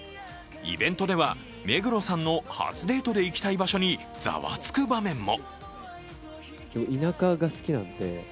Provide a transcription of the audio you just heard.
イベントでは、目黒さんの初デートで行きたい場所にざわつく場面も。